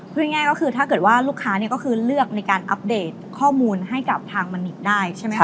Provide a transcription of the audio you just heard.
พูดง่ายก็คือถ้าเกิดว่าลูกค้าเลือกในการอัปเดตข้อมูลให้กับทางมันนิกได้